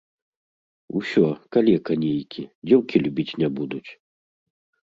Усё, калека нейкі, дзеўкі любіць не будуць.